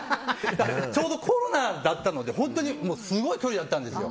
ちょうどコロナだったので本当にすごい距離だったんですよ。